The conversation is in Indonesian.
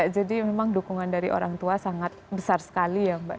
jadi memang dukungan dari orang tua sangat besar sekali ya mbak